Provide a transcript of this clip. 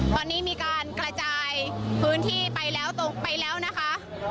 ตอนนี้มีการกระจายพื้นที่ไปแล้วตรงไปแล้วนะคะ